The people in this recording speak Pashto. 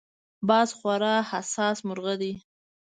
باز خورا حساس مرغه دی